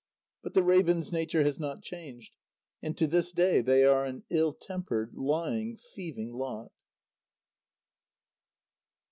But the ravens' nature has not changed, and to this day they are an ill tempered, lying, thieving lot.